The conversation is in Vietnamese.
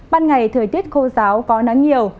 ban ngày thời tiết khô giáo có nắng nhiều